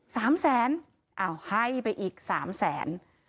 ๓แสนเอ้าให้ไปอีก๓แสน